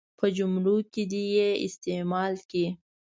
په جملو کې دې یې استعمال کړي.